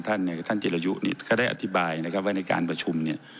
ท่านธิรยุได้อธิบายว่าในการประชุม